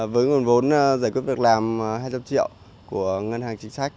với nguồn vốn giải quyết việc làm hai trăm linh triệu của ngân hàng chính sách